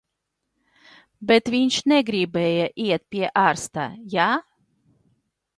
Bet viņš negribēja iet pie ārsta, ja?